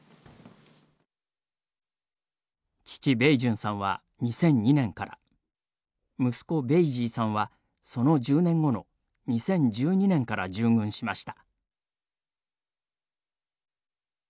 父ベイジュンさんは２００２年から息子ベイジーさんはその１０年後の２０１２年から従軍しました。